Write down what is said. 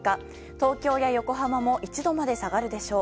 東京や横浜も１度まで下がるでしょう。